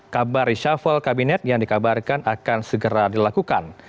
kabar reshuffle kabinet yang dikabarkan akan segera dilakukan